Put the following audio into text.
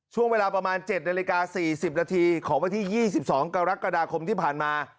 ช่วงเวลาประมาณ๗นาฬิกา๔๐นาทีของวันที่๒๒กรกฎาคมที่ผ่านมา